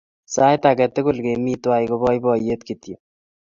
Sait ake tukul kemi twai ko poipoyet kityo.